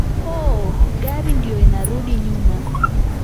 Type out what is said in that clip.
"Oh, gari ndiyo inarudi nyuma"